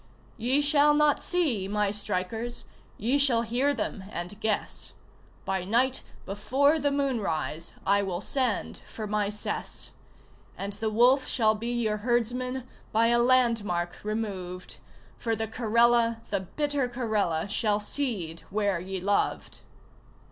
Ye shall not see my strikers; ye shall hear them and guess; By night, before the moon rise, I will send for my cess, And the wolf shall be your herdsman By a landmark removed, For the Karela, the bitter Karela, Shall seed where ye loved!